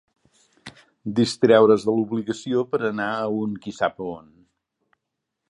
Distreure-s de l'obligació pera anar a un qui sap a on